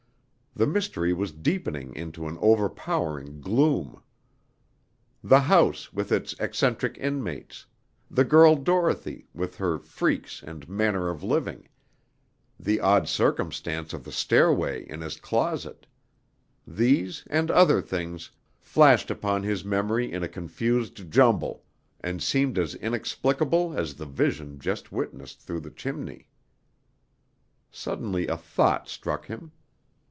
The mystery was deepening into an overpowering gloom. The house, with its eccentric inmates; the girl Dorothy, with her freaks and manner of living; the odd circumstance of the stairway in his closet; these, and other things, flashed upon his memory in a confused jumble, and seemed as inexplicable as the vision just witnessed through the chimney. Suddenly a thought struck him.